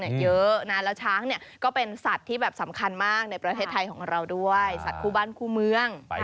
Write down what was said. แล้วเวลาเราฉีดน้ำช้างนะได้แค่นี้